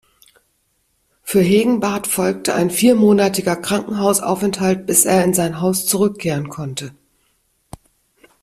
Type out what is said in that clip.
Für Hegenbarth folgte ein viermonatiger Krankenhausaufenthalt bis er in sein Haus zurückkehren konnte.